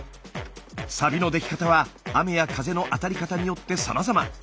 サビのでき方は雨や風の当たり方によってさまざま。